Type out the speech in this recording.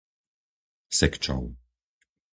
Sekčov